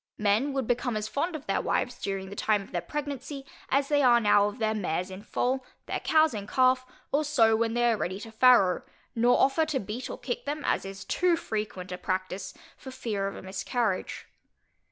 Men would become as fond of their wives, during the time of their pregnancy, as they are now of their mares in foal, their cows in calf, or sows when they are ready to farrow; nor offer to beat or kick them (as is too frequent a practice) for fear of a miscarriage.